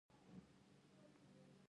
آزاد تجارت مهم دی ځکه چې تولید زیاتوي.